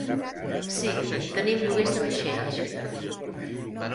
Sí, tenim lloguers de vaixells.